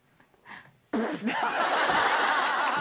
ブッ！